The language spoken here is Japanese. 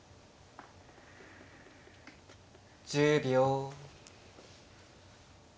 １０秒。